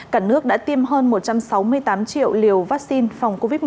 cả nước đã tiêm hơn một trăm sáu mươi tám triệu liều vaccine phòng covid một mươi chín